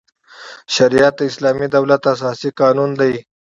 شریعت د اسلامي دولت اساسي قانون دی.